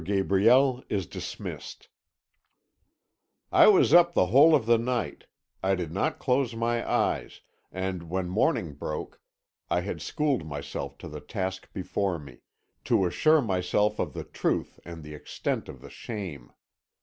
GABRIEL IS DISMISSED "I was up the whole of the night; I did not close my eyes, and when morning broke I had schooled myself to the task before me to assure myself of the truth and the extent of the shame.